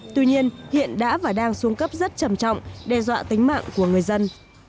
tuy nhiên hiện đã và đang xuống cấp rất trầm trọng đe dọa tính mạng của người dân